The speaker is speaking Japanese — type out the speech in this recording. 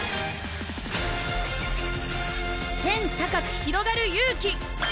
天高くひろがる勇気！